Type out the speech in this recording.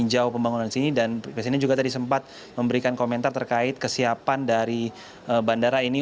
sejauh pembangunan sini dan presiden juga tadi sempat memberikan komentar terkait kesiapan dari bandara ini